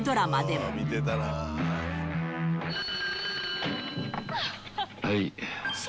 はい。